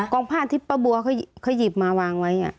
องผ้าที่ป้าบัวเขาหยิบมาวางไว้